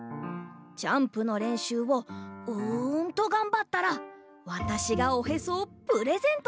ジャンプのれんしゅうをうんとがんばったらわたしがおへそをプレゼントしてあげよう。